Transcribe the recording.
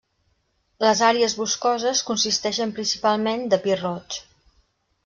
Les àrees boscoses consisteixen principalment de pi roig.